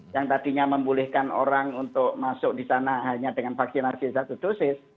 yang tadinya membolehkan orang untuk masuk di sana hanya dengan vaksinasi satu dosis